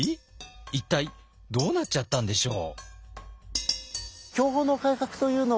一体どうなっちゃったんでしょう？